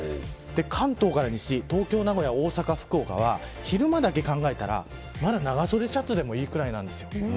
関東から西、東京名古屋、大阪、福岡は昼間だけ考えたらまだ長袖シャツでもいいぐらいなんです。